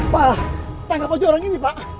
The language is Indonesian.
wah tangkap aja orang ini pak